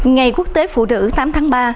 ngày quốc tế phụ nữ tám tháng ba